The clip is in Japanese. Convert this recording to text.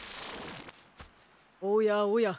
おやおや？